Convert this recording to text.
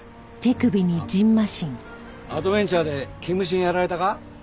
あっアドベンチャーで毛虫にやられたか？